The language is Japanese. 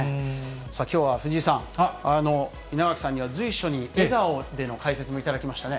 きょうは藤井さん、稲垣さんには随所に笑顔での解説も頂きましたね。